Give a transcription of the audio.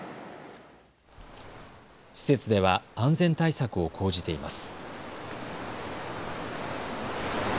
施設では安全対策を講じています。